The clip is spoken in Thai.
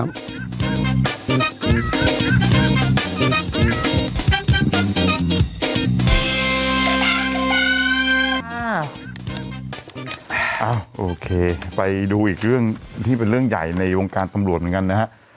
โอเคไปดูอีกเรื่องที่เป็นเรื่องใหญ่ในวงการตำรวจเหมือนกันนะฮะ